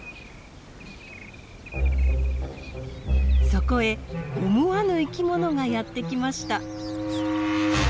そこへ思わぬ生きものがやって来ました。